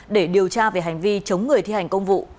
để điều tra về hành vi chống người thi hành công vụ